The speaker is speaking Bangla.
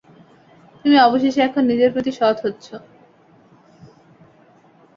তুমি অবশেষে এখন নিজের প্রতি সৎ হচ্ছো।